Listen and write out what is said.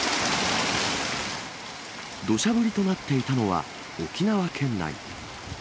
どしゃ降りとなっていたのは、沖縄県内。